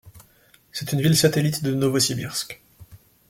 C'est une ville satellite de Novossibirsk.